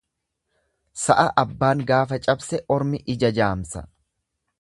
Sa'a abbaan gaafa cabse ormi ija jaamsa.